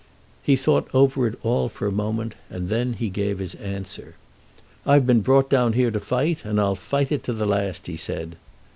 He thought over it all for a moment, and then he gave his answer. "I've been brought down here to fight, and I'll fight it to the last," he said.